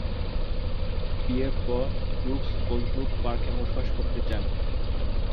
বিয়ের পর Brooks Colebrooke পার্কে বসবাস করতে যান।